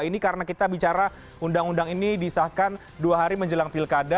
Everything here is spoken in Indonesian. ini karena kita bicara undang undang ini disahkan dua hari menjelang pilkada